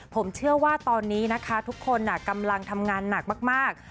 ผมเชื่อว่าตอนนี้นะคะทุกคนกำลังทำงานหนักมาก